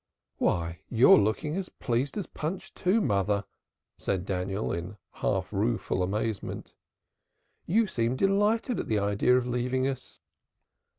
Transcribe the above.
"Why you're looking as pleased as Punch too, mother," said Daniel, in half rueful amazement. "You seem delighted at the idea of leaving us."